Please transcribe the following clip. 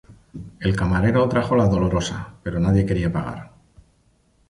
El camarero trajo la dolorosa pero nadie quería pagar